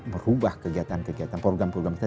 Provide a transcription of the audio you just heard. merubah kegiatan kegiatan program program kita